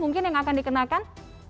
mungkin yang akan dikenakan